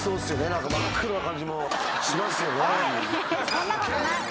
そんなことない！